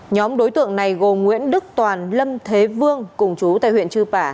nhóm đối tượng này gồm nguyễn đức toàn lâm thế vương cùng chú tại huyện chư pả